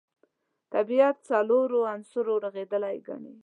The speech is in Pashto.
طبیعت څلورو عناصرو رغېدلی ګڼي.